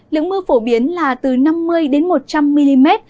lượng mưa phổ biến là từ năm mươi đến một trăm linh mm